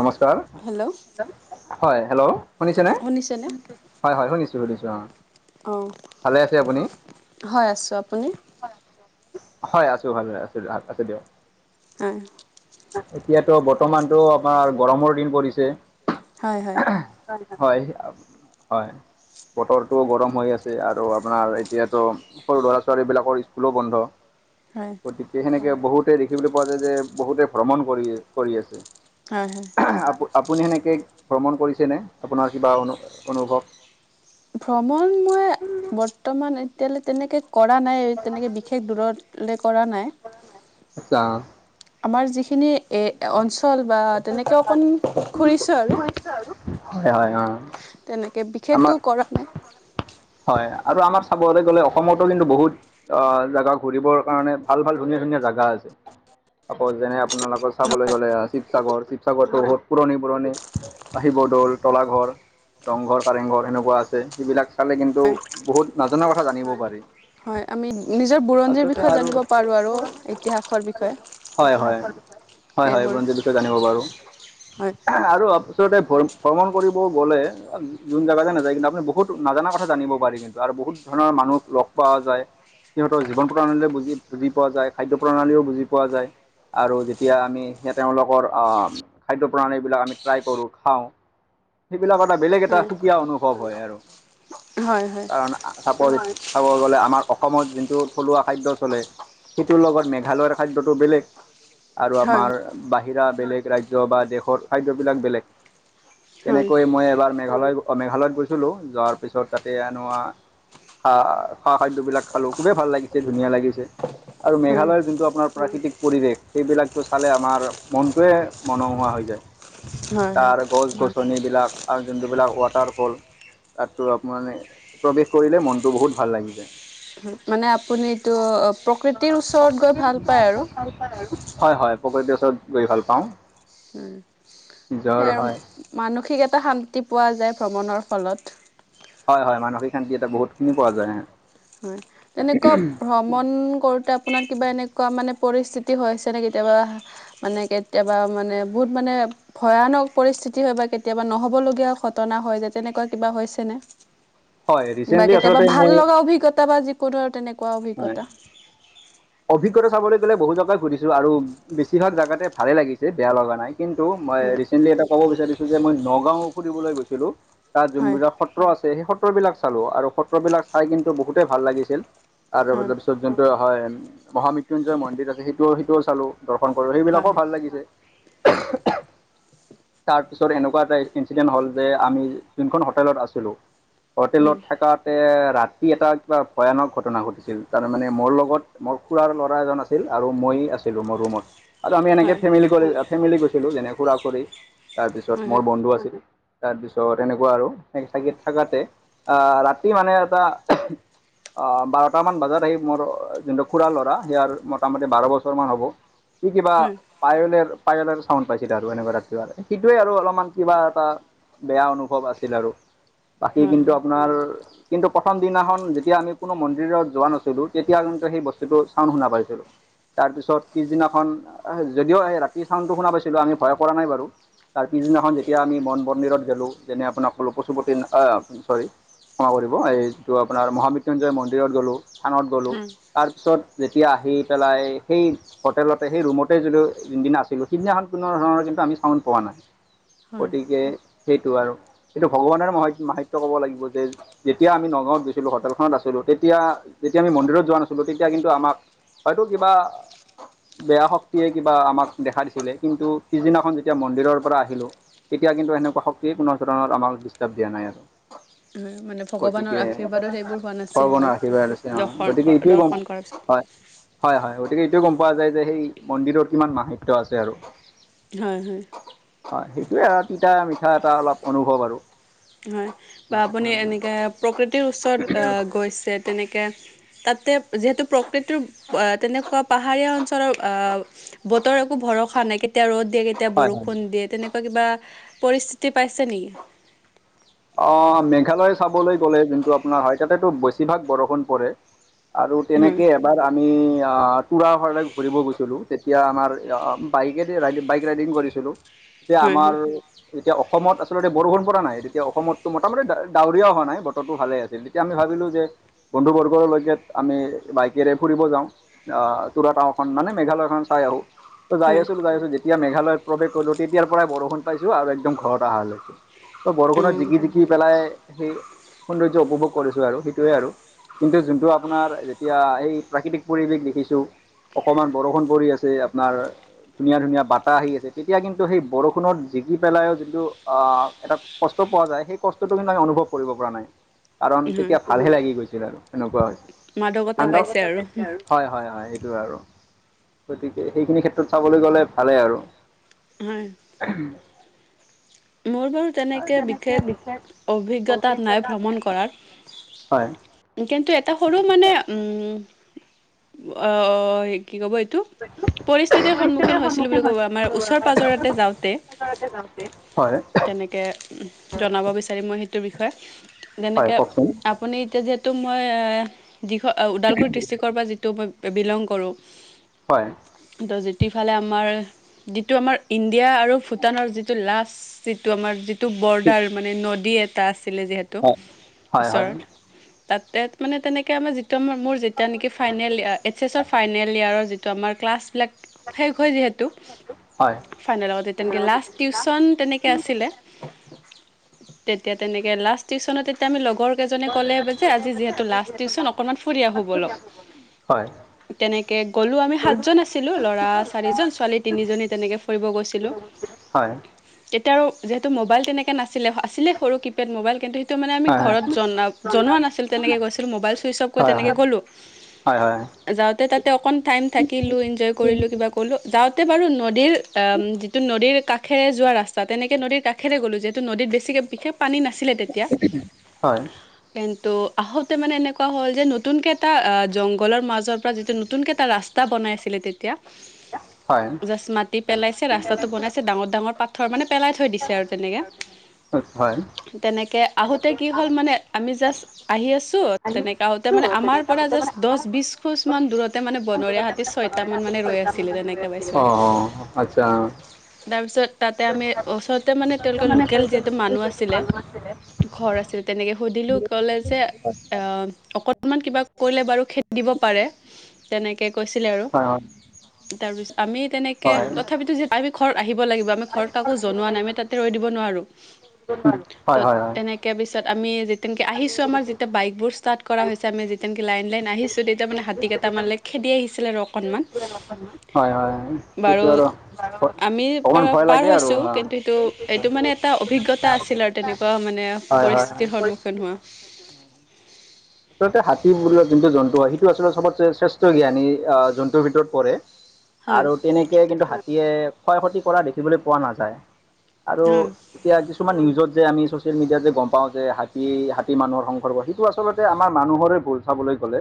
নমস্কাৰ। হেল্ল'। হয় হেল্ল' শুনিছেনে হয় হয় শুনিছোুছো অ। অ হয় আছো আপুনি? হয় আছো ভাল ন আছো ভাল আছে দিয়ক। হয়। এতিয়াতো বৰ্তমানতো আমাৰ গৰমৰ দিন পৰিছে। হয় হয়। হয় হয়। বতৰটোও গৰম হৈ আছে আৰু আপোনাৰ এতিয়াতো সৰু ল'ৰা ছোৱালী বিলাক। ৰ স্কুলো বন্ধ। হয়। গতিকে সেনেকে বহুতে দেখিবলৈ পোৱা যায় যে বহুতে ভ্ৰমণ কৰি কৰি আছে। হয় হয়। আপ আপুনি সেনেকৈ ভ্ৰমণ কৰিছেনে আপোনাৰ কিবা অনু অনুভৱ। ভ্ৰমণ মই বৰ্তমান এতিয়ালৈ তেনেকে কৰা নাই তেনেকে বিশেষ দূৰত। লে কৰা নাই। আচ্ছা। আমাৰ যিখিনি এ অঞ্চ তেনেকে অকণ ঘৰিছো আৰু। হয় হয় অঁ তেনেকে আমাৰ বিশেষতটো কৰা নাই। হয় আৰু আমাৰ চাবলৈ গ'লে অসমতো কিন্তু বহুত। আহ জেগা ঘুৰিবৰ কাৰণে ভাল ভাল ধুনীয়া ধুনীয়া জাগা আছে। আকৌ যেনে আপোনালোকৰ চাবলৈ গ'লে শিৱ সাগৰ শিৱসাগৰটো হ'ল পুৰণি পুৰণি আ, শিৱ দৌল, তলা ঘৰ ৰংঘৰ, কাৰেংঘৰ সেনেকুৱা আছে সেইবিলাক চালে কিন্তু হয়। বহুত নাজনা কথা জানিব পাৰি। হয় আমি নিজৰ বুৰঞ্জীৰ আচলতে বিষয়ে আৰু জানিব পাৰোঁ আৰু ইতিহাসৰ বিষয়ে। হয় হয়। হয় হয় সেইবোৰ। বুৰঞ্জীৰ বিষয়ে জানিব পাৰোঁ। হয়। আৰু আব আচলতে ভৰ ভ্ৰমণ কৰিব গ'লে যোন জেগা যে নাযায় কিন্তু আপুনি বহুত নাজানা কথা জানিব পাৰি কিন্তু যাৰ বহুত ধৰণৰ মানুহ লগ পোৱা যায়। সিহঁতৰ জীৱন [unintelligible] বুজি বুজি পোৱা যায় খাদ্য প্ৰণালীও বুজি পোৱা যায়। আৰু যেতিয়া আমি সেইয়া তেওঁলোক কৰ অ', খাদ্য প্ৰণালীবিলাক আমি ট্ৰাই কৰো, খাওঁ। সেইবিলাকৰ এটা বেলেগ এটা হয় সুকীয়া অনুভৱ হয় আৰু হয় হয় কাৰণ আ চাপৰ চাব গলে আমাৰ অসমত যোনটো থলুৱা খাদ্য চলে। সেইটোৰ লগত মেঘালয়ৰ খাদ্যটো বেলেগ। আৰু হয় আমাৰ বাহিৰা বেলেগ ৰাজ্য বা দেশৰ খাদ্যবিলাক বেলেগ। হয় তেনেকৈ মই এবাৰ মেঘালয় গ অ', মেঘালয়ত গৈছিলোঁ যোৱাৰ পিছত তাতে হেনো আ [unintelligible] খা খাদ্যবিলাক খালোঁ খুবেই ভাল লাগিছে ধুনীয়া লাগিছে। আৰু হয় মেঘালয়ৰ যোনটো আপোনাৰ প্ৰাকৃতিক পৰিৱেশ সেইবিলাকটো চালে আমাৰ মনটোৱে মনোমোহোৱা হৈ যায়। হয় হয়। তাৰ গছ গছ ছনিবিলাক আৰু যোনটোবিলাক ৱাটাৰফল তাততো আপ মানে প্ৰৱেশ কৰিলে মনটো বহুত ভাল লাগি যায়। মানে আপুনি এইটো প্ৰকৃতিৰ ওচৰত গৈ ভাল পায় আৰু [unintelligible] হয় হয়। [unintelligible] গৈ ভাল পাওঁ। নিজৰ সেয়াই আৰু উম। হয় মানসিক এটা শান্তি পোৱা যায় ভ্ৰমণৰ ফলত। হয় হয় মানসিক শান্তি এটা বহুতখিনি পোৱা যায়। হয়। তেনেকুৱা ভ্ৰমণ কৰোঁতে আপোনাৰ কিবা এনেকুৱা মানে পৰিস্থিতি হৈছেনে কেতিয়াবা? মানে কেতিয়াবা মানে বহুত মানে ভয়ানক পৰিস্থিতি হয় বা কেতিয়াবা নহ'বলগীয়া ঘটনা হয় যে তেনেকুৱা কিবা হৈছেনে? হয় বা ৰিচেণ্টলি কেতিয়াবা আচলতে ভাল মই লগা অভিজ্ঞতা বা যিকোনো আৰু তেনেকুৱা হয় অভিজ্ঞতা অভিজ্ঞতা চাবলৈ গ'লে বহু জেগাই ঘুৰিছোঁ আৰু বেছিভাগ জাগাতে ভালে লাগিছে, বেয়া লগা নাই। কিন্তু মই ৰিচেণ্টলি এটা ক'ব বিচাৰিছো যে মই নগাঁও ফুৰিবলৈ গৈছিলোঁ তাত হয় হয় ঝুমুৰা, সত ত্ৰ আছে সেই সত্ৰবিলাক চালোঁ আৰু সত্ৰবিলাক চাই কিন্তু বহুতেই ভাল লাগিছিল। আৰু হয় অলপ পিছত যোনটো হয় মহামৃত্যুঞ্জয় মন্দিৰ আছে সেইটোও সেইটোও চালোঁ। দৰ্শন কৰোঁ সেইবিলাকো ভাল হয় লাগিছে। তাৰপিছত এনেকুৱা এটা ই ইনঞ্চিডেণ্ট হ'ল যে আমি যোনখন হোটেলত আছিলোঁ। হোটেলত থাকাতে ৰাতি এটা কিবা ভয়ানক ঘটনা ঘটিছ ছিল তাৰ মানে মোৰ লগত মোৰ খুৰাৰ ল'ৰা এজন আছিল আৰু মই আছিলোঁ মোৰ ৰুমত। আৰু আমি হয় এনেকে হয় হয় ফেমিলি কৰি আ, ফেমিলি গৈছিলোঁ যেনে খুৰা খুৰী, হয় তাৰপিছত মোৰ বন্ধু আছিল। তাৰপিছত এনেকুৱা আৰু এ থাকি থাকাতে আ, ৰাতি মানে এটা অ', বাৰটা মান বজাত আহি মোৰ যোনটো খুুৰাৰ ল'ৰা সেয়াৰ মোটামুটি বাৰ বছৰমান হ'ব। সি কিবা হয় পায়লেৰ পায়লেৰ চাউণ্ড পাইছিলে আৰু এনেকুৱা ৰাত [unintelligible] সেইটোৱে আৰু অলপমান কিবা এটা বেয়া অনুভৱ আছিল আৰু। বাকী হয় কিন্তু হয় আপোনাৰ কিন্তু প্ৰথম দিনাখন যেতিয়া আমি কোনো মন্দিৰত যোৱা নাছিলোঁ তেতিয়া কিন্তু সেই বস্তুটো চাউণ্ড শুনা পাইছিলো। তাৰপিছত পিছদিনাখন যদিও ৰাতি চাউণ্ডটো শুনা পাইছিলোঁ আমি ভয় কৰা নাই বাৰু। তাৰ পিছদিনাখন যেতিয়া আমি মন মন্দিৰত গেলোঁ যেনে আপোনাৰ কলো পশুপতি আ, চৰি ক্ষমা কৰিব এই যিটো আপোনাৰ মহাবৃত্যুঞ্জয় মন্দিৰত গলো থানত গলো। হা তাৰপিছত যেতিয়া আহি পেলাই সেই হোটেলতে সেই ৰুমতেই যদিও যোনদিনা আছিলোঁ সিদিনাখন কোনো ধৰণৰ কিন্তু আমি চাউণ্ড পোৱা নাই। হয় গতিকে সেইটো আৰু এইটো ভগৱানৰ মহ মাহাত্য কব লাগিব যে যেতিয়া আমি নগাঁৱত গৈছিলোঁ হোটেলখনত আছিলোঁ তেতিয়া যেতিয়া আমি মন্দিৰত যোৱা নাছিলোঁ তেতিয়া কিন্তু আমাক হয়তো কিবা বেয়া শক্তিয়ে কিবা আমাক দেখা দিছিলে কিন্তু পিছদিনাখন যেতিয়া মন্দিৰৰ পৰা আহিলোঁ তেতিয়া কিন্তু এনেকুৱা শক্তি পুনৰ [unintelligible] আমাক ডিষ্টাৰ্ব দিয়া নাই আৰু। মানে ভগৱানৰ গতিকে আশীৰ্বাদত এইবোৰ হোৱা নাছিলে ভগৱানৰ আৰু আশীৰ্বাদ অ', দৰ্শন গতিকে এইটোৱে দৰ্শন কৰাৰ পিছত হয়, হয়, হয় গতিকে এইটোয়ে গম পোৱা যায় যে সেই মন্দিৰত কিমান মাহিত্য আছে আৰু। হয়, হয় হয়, সেইটোয়ে আৰু তিতা মিঠা এটা অলপ অনুভৱ আৰু। হয়, বা হয় আপুনি হয় এনেকে প্ৰকৃতিৰ ওচৰত আ, গৈছে তেনেকে তাতে যিহেতু প্ৰকৃতিৰ আ, তেনেকুৱা পাহাৰীয়া অঞ্চলৰ আ বতৰ একো ভৰসা নাই কেতিয়া ৰ'দ দিয়া কে এতিয়া হয় হয়। বৰষুণ দিয়ে তেনেকুৱা কিবা পৰিস্থিতি পাইছে নেকি? অ', মেঘালয় চাবলৈ গ'লে যোনটো আপোনাৰ হয় তাতেতো বেছিভাগ বৰষুণ পৰে। আৰু হয় তেনেকে এবাৰ আমি টুৰাহাৰলৈ ঘূৰিব গৈছিলোঁ তেতিয়া আমাৰ বাইকে ৰাইড বাইক ৰাইডিং কৰিছোঁ এতিয়া হয় আমাৰ হয় এতিয়া অসমত আচলতে বৰষুণ পৰা নাই এতিয়া অসমতো মোটামুটি ডাৱৰীয়া হোৱা নাই বতৰটো ভালেই আছিল তেতিয়া আমি ভাবিলো যে বন্ধু বৰ্গৰলৈকে আমি বাইকেৰে ফুৰিব যাওঁ আ, তুৰা টাওখন মানে মেঘালয় খন চাই আহোঁ। ত' যাই হয় আছোঁ, যাই আছোঁ যেতিয়া মেঘালয় প্ৰৱেশ কৰিলো তেতিয়াৰ পৰাই বৰষুণ পাইছো আৰু একদম ঘৰত আহালৈকে। ত' অ বৰষুণত জিকি জিকি পেলাই সেই সৌন্দৰ্য উপভোগ কৰিছোঁ আৰু সেইটোৱে আৰু কিন্তু যোনটো আপোনাৰ যেতিয়া এই প্ৰাকৃতিক পৰিৱেশ দেখিছো অকণমান বৰষুণ পৰি আছে আপোনাৰ ধুনীয়া ধুনীয়া বাটাহ আহি আছে তেতিয়া কিন্তু সেই বৰষুণত জিকি পেলাইও যোনটো এটা কষ্ট পোৱা যায় সেই কষ্টটো কিন্তু আমি অনুভৱ কৰিব পৰা নাই কাৰণ হয় তেতিয়া ভালহে লাগি গৈছে আৰু এনেকুৱা আছে মাদকতা পাইছে আৰু। হয়, হয়, অ', এইটো আৰু গতিকে সেইখিনি ক্ষেত্ৰত চাবলৈ গ'লে ভালেই আৰু। হয় উম', মোৰ বাৰু তেনেকৈ বিশেষ অভিজ্ঞতা নাই ভ্ৰমণ কৰাৰ হয় কিন্তু এটা সৰু মানে উম, অ', কি ক'ব এইটো পৰিস্থিতিৰ সন্মুখীন হৈছিলোঁ বুলি ক'ব আমাৰ ওচৰ পাজৰতে যাওঁতে [unintelligible] যাওঁতে তেনেকে জনাব বিচাৰিম মই সেইটো বিষয় হয় যেনেকে কওকচোন আপুনি এতিয়া যিহেতু মই দিঘ আ, ওদালগুৰি ডিষ্ট্ৰিক্ট পৰা যিটো মই বিলং কৰোঁ হয় সিহঁতৰ যিটফালে আমাৰ যিটো আমাৰ ইণ্ডিয়া আৰু ভূটানৰ যিটো লাষ্ট [inaudible] যিটো আমাৰ যিটো বৰ্ডাৰ মানে নদী এটা আছিলে যিহেতু হয় হয় হয় ওচৰত [unintelligible] তাতে মানে তেনেকে আমাৰ যিটো মোৰ যেতিয়া নেকি ফাইনেল এইচ এছৰ ফাইনেল ইয়েৰ [unintelligible] ত' আমাৰ ক্লাছবিলাক [unintelligible] শেষ হয় যিহেতু হয় ফাইনেল আগতে তেনেকে লাষ্ট টিউচন তেনেকে আছিলে। [inaudible] [unintelligible] তেতিয়া তেনেকে লাষ্ট টিউচন তেতিয়া আমি লগৰ লগৰকেজনে ক'লে যে আজি যিহেতু লাষ্ট টিউচন অকনমান ফুৰি আহো বলক। [unintelligible] হয়। [inaudible] তেনেকে গ'লো আমি সাতজন আছিলোঁ। লৰা চাৰিজন, ছোৱালী তিনিজনী তেনেকে ফুৰিব গৈছিলোঁ। [unintelligible] [inaudible] হয়। তেতিয়া আৰু যিহেতু মোবাইল তেনেকৈ নাছিলে আছিলে সৰু কিব [unintelligible] পেড মোবাইল কিন্তু সেইটো মানে আমি হয় হয়। ঘৰত জনা জনোৱা নাছিল তেনেকৈ গৈছিল মোবাইল ছুইচ অফ কৰি তেনেকৈ গ'লোঁ। [unintelligible] হয়-হয়। [inaudible] যাওঁতে তাতে অকন টাইম থাকিলোঁ, এনজয় কৰিলোঁ, কিবা কলো যাওঁতে বাৰু নদীৰ [unintelligible] আহ যিটো নদীৰ কাষেৰে যোৱা ৰাস্তা তেনেকে নদীৰ কাষৰে গলো যিহেতু নদীত বেছিকে বিশেষ পানী নাছি [unintelligible] ছিলে তেতিয়া। [inaudible] কিন্তু আহোঁতে মানে এনেকুৱা হ'ল যে নতুনকে এটা জংঘলৰ মাজৰ পৰা যিটো নতুন কে এটা ৰাস্তা [unintelligible] ৰাস্তা বনাই আছিলে তেতিয়া। [inaudible] [unintelligible] জাষ্ট মাটি পেলাইছে, ৰাস্তাটো বনাইছে, ডাঙৰ-ডাঙৰ পাত [unintelligible] পাথৰ মানে পেলাই থৈ দিছে আৰু তেনেকে। হয় হয়। [unintelligible] তেনেকৈ আহোঁতে কি হ'ল মানে আমি জাষ্ট আহি আছোঁ তেনেকৈ আহোঁতে মানে আমাৰ পৰা জাষ্ট [unintelligible] দহ, বিছ খোজ মান দূৰতে মানে বনৰীয়া হাতীৰ ছয়টা মান মানে ৰৈ আছিলে। [unintelligible] অ আচ্ছা [unintelligible] তাৰপিছত [unintelligible] আমি ওচৰতে মানে তেওঁলোকৰ লোকেল যিহেতু মানুহ আছিলে ঘৰ আছিল তেনেকৈ সুধিলোঁ ক'লে যে [unintelligible] আহ অকনমান কিবা কৰিলে বাৰু খেদি দিব পাৰে। [unintelligible] তেনেকে কৈছিলে আৰু। [inaudible] হয় হয় তাৰ পিছত আমি তেনেকে হয়। তথাপিতো আমি ঘৰত আহিব লাগিব আমি [unintelligible] কাকো জনোৱা নাই আমি তাতে ৰৈ দিব নোৱাৰোঁ। ত হয় হয় হয়। তেনেকে [unintelligible] তেনেকে পিছত আমি যেতিয়া নেকি আহিছো আমাৰ যেতিয়া বাইকবোৰ ষ্টাৰ্ট [unintelligible] কৰা হৈছে, আমি যেতিয়া নেকি লাইন-লাইন আহিছো, তেতিয়া মানে হাতী কেইটামানে খেদি আহিছিলে আৰু অকনমান। [unintelligible] হয়-হয়। সেইটো আৰু, আমি অকমান ভয় লাগ [unintelligible] পাৰ হৈছোঁ, কিন্তু সেইটো এইটো মানে এটা অভিজ্ঞতা আছিল আৰু তেনেকুৱা মানে হয়, হয়, পৰিস্থিতিৰ হয়। সন্মুখ [unintelligible] সন্মুখীন হোৱা। [unintelligible] আচলতে হাতী বোলা যোনটো জন্তু হয়, সেইটো আচলতে চবতকে শ্ৰেষ্ঠ জ্ঞানী আহ জন্তুৰ ভিতৰত পৰে। [unintelligible] হয় আৰু তেনেকে কিন্তু হাতীয়ে ক্ষয়-ক্ষতি কৰা দেখিবলৈ পোৱা নাযায়। আৰু হয় [unintelligible] এতিয়া কিছুমান নিউজত যে আমি ছ'চিয়েল মিডিয়াত যে গম পাওঁ যে, হাতী-হাতী মানুহৰ সংঘৰ্ষ, সেইটো আচলত [unintelligible] আমাৰ মানুহৰে ভুল চাবলৈ গ'লে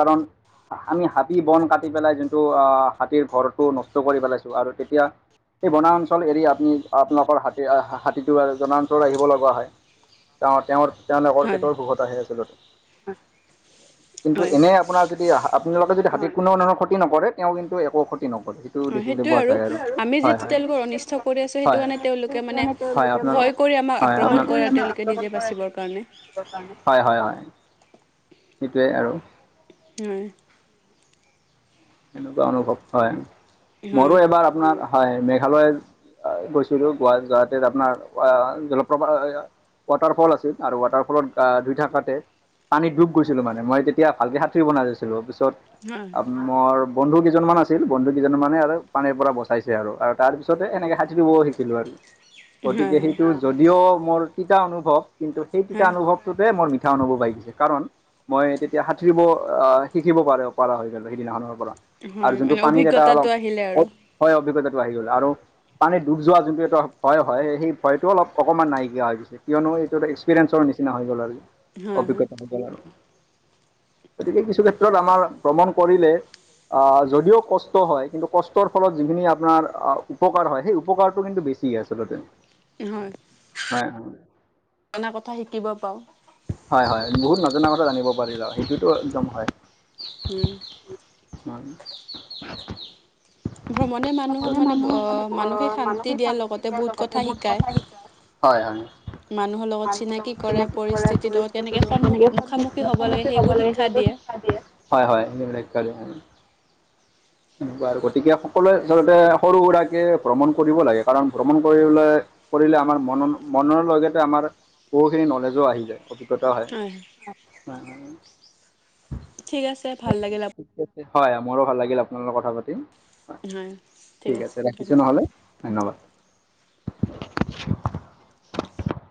কাৰণ [unintelligible] আমি হাবি-বন কাটি পেলাই যোনটো আহ হাতীৰ ঘৰটো নষ্ট কৰি পেলাইছো আৰু তেতিয়া [unintelligible] এই বনাঞ্চল এৰি আপুনি আপোনালোকৰ হাতী হা-হা-হাতীটো আৰু জনাঞ্চল আহিব লগা হয়। [unintelligible] অঁ! তেওঁৰ [unintelligible] তেওঁলোকৰ হয় পেটৰ ভোকত আহে আচলতে। কিন্তু হয় এনেই আপোনাৰ যদি আহা [unintelligible] আপোনালোকে যদি হাতীৰ কোনোধৰণৰ ক্ষতি নকৰে, তেওঁ কিন্তু একো ক্ষতি নকৰে। [unintelligible] হয় দেখিবলৈ সেইটোৱে পোৱা যায় আৰু। [unintelligible] আমি যিহেতু হয়-হয় [unintelligible] তেওঁলোকৰ অনিষ্ট কৰি আছোঁ সেইটো হয়। কাৰণে তেওঁলোকে মানে হয়, আপোনালোক ভয় কৰি আমাক আক্ৰমণ কৰে তেওঁলোকে [unintelligible] নিজে বাচিবৰ কাৰণে হয় হয় হয়, হয় সেইটোৱে আৰু। উম। তেনেকুৱা অনুভৱ হয়, মোৰো হয় এবাৰ আপোনাৰ হয়, মেঘালয়ত গৈছিলোঁ গুৱাহাটী যাওঁতে আপোনাৰ, জলপ্ৰপাত ৱাটাৰফল আছিল আৰু ৱাটাৰফলত ধুই থাকাতে পানীত ডুব গৈছিলো মানে, মই তেতিয়া ভালকে সাঁতুৰিব নাজানিছিলো, পিছত হয় আপো মোৰ বন্ধু কেইজনমান আছিল, বন্ধু কেইজনে মানে আৰু পানীৰ পৰা বচাইছে আৰু, তাৰ পিছতে এনেকে সাঁতুৰিব শিক কিলো আৰু, [unintelligible] হয় গতিকে হয় সেইটো যদিও মোৰ তিতা অনুভৱ, কিন্তু সেই তিতা হয় অনুভৱ হেইটোতে মোৰ মিঠা অনুভৱ আহি গৈছে, কাৰণ মই তেতিয়া সাঁতুৰিব, অ' শিকিব পাৰে-পাৰা হৈ গ'লো। সিদিনাখনৰ পৰা, আৰু হয় যোনটো মানে পানীত এটা অলপ, অভিজ্ঞতাটো আহিলে আৰু হয়, অভিজ্ঞতাটো আহি গ'ল আৰু। পানীত ডুব যোৱা, যোনটো এটা ভয় হয়, সেই ভয়টো অলপ-অকণমান নাইকিয়া হৈ গৈছে। কিয়নো এইটো এক্সপিৰিয়েঞ্চৰ নিচিনা হৈ গ'ল আৰু। হয় অভিজ্ঞতা হয় হ'ব আৰু, গতিকে কিছু ক্ষেত্ৰত আমাৰ ভ্ৰমণ কৰিলে অ', যদিও কষ্ট হয়, কিন্তু কষ্টৰ ফলত যিখিনি আপোনাৰ উপকাৰ হয়, সেই উপকাৰটো কিন্তু বেছি ঠিক আছে তাতে হয়। হয় হয়। নানা কথা শিকিব পাওঁ। হয় হয়, বহুত নজনা কথা জানিব পাৰিলো, সেইটোতো একদম হয়। উম। হয়। সকলো মানুহে মানে মানসিক শান্তি দিয়াৰ লগতে বহুত কথা শিকা হয় হয়। মানুহৰ লগত কৰাই চিনাকি কৰাৰ পৰিস্থিতিৰ লগত পৰিস্থিতি কেনেকে সেইখিনি সন্মুখ [unintelligible] মুখামুখি হ'ব লাগে সেইবোৰ শিক্ষা দিয়ে, হয় হয়, [unintelligible] কৰে। তেনেকুৱা আৰু, গতিকে সকলোৱে আচলতে সৰু-সুৰাকে ভ্ৰমণ কৰিব লাগে, কাৰণ ভ্ৰমণ কৰিলে কৰিলে, আমাৰ মন-মনৰ লগতে আমাৰ বহুখিনি নলেজো আহি যায়। অভিজ্ঞতা হয় ঠিক আছে, ভাল লাগিল আপো ঠিক আছে হয়, মোৰো ভাল লাগিল আপোনাৰ লগত কথা পাতি। হয়, ঠিক আছে, ধন্যবাদ। ধন্যবাদ।